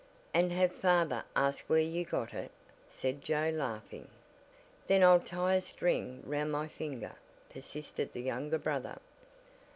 "And have father ask where you got it," said Joe laughing. "Then I'll tie a string round my finger," persisted the younger brother.